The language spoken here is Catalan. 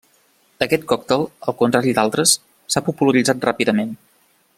Aquest còctel, al contrari d'altres, s'ha popularitzat ràpidament.